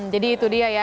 jadi itu dia ya